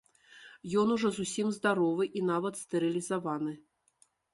Ён ужо зусім здаровы і нават стэрылізаваны.